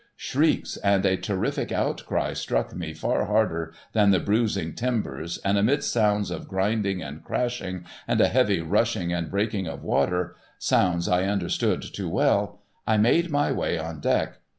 Shrieks and a terrific outcry struck me far harder than the bruising timbers, and amidst sounds of grinding and crashing, and a heavy rushing and breaking of water — sounds I understood too well — I made my way on deck.